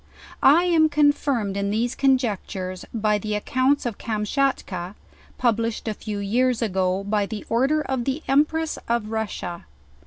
I am confirmed in these conjectures, by the accounts^of Kamschat ka, published a few years ago by order of the Empress of Russia.